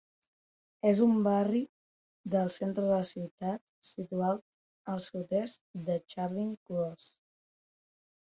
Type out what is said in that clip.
És un barri del centre de la ciutat situat al sud-est de Charing Cross.